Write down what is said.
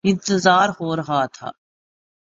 انتظار ہو رہا تھا